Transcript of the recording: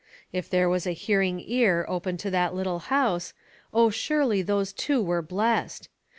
If there was a hearing ear open to that little house, oh surely those two were blessed!